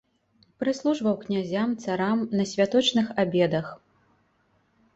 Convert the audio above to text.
Прыслужваў князям, царам на святочных абедах.